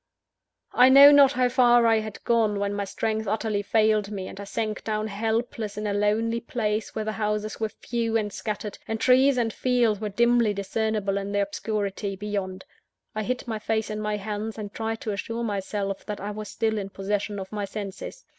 I know not how far I had gone, when my strength utterly failed me, and I sank down helpless, in a lonely place where the houses were few and scattered, and trees and fields were dimly discernible in the obscurity beyond. I hid my face in my hands, and tried to assure myself that I was still in possession of my senses.